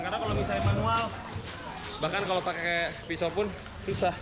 karena kalau misalnya manual bahkan kalau pakai pisau pun susah